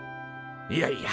いやいや。